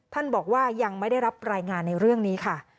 ท่านบอกว่ายังไม่ได้รับรายงานในเรื่องนี้ค่ะ